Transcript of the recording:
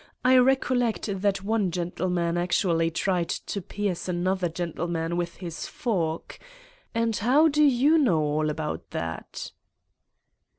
I recollect that one gentle man actually tried to pierce another gentleman with his fork. And how do you know all about that?"